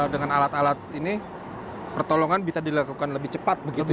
dengan alat alat ini pertolongan bisa dilakukan lebih cepat begitu ya